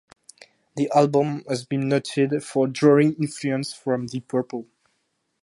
The album has been noted for drawing influence from Deep Purple.